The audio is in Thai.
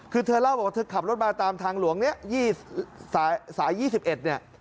คือเธอเล่าบอกว่าเธอขับรถมาตามทางหลวงเนี่ยสาย๒๑เนี่ย